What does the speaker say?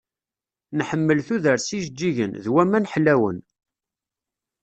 Nḥemmel tudert s yijeǧǧigen, d waman ḥlawen.